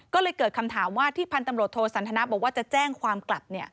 ก็เลยเกิดคำถามว่าที่พันธุ์ตำรวจโทสันทนาบอกว่าจะแจ้งความกลับ